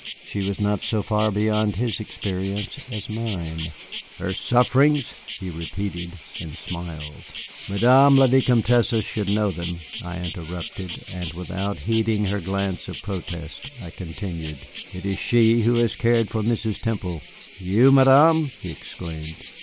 She was not so far beyond his experience as mine. "Her sufferings?" he repeated, and smiled. "Madame la Vicomtesse should know them," I interrupted; and without heeding her glance of protest I continued, "It is she who has cared for Mrs. Temple." "You, Madame!" he exclaimed.